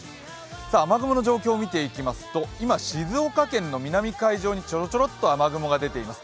雨雲の状況を見ていきますと、今、静岡県の南海上にチョロチョロっと雨雲が出ています。